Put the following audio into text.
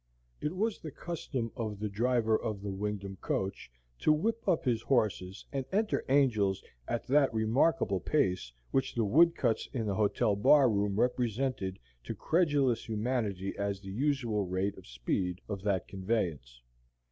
It was the custom of the driver of the Wingdam coach to whip up his horses and enter Angel's at that remarkable pace which the woodcuts in the hotel bar room represented to credulous humanity as the usual rate of speed of that conveyance.